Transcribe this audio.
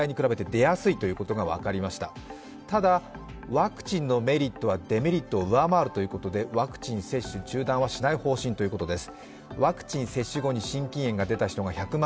ワクチンのメリットはデメリットを上回るということでワクチン接種中断はしない方針ということです。